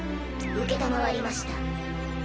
承りました。